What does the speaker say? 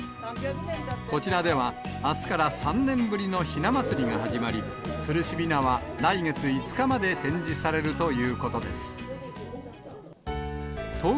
こちらでは、あすから３年ぶりのひな祭りが始まり、つるし雛は来月５日まで展示されるということです。